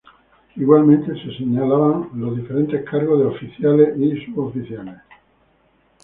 Igualmente se señalaban los diferentes cargos de Oficiales y Suboficiales.